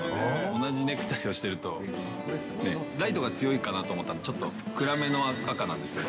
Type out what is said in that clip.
同じネクタイをしてるとね、ライトが強いかなと思ったので、ちょっと、暗めの赤なんですけど。